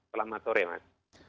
selamat sore mas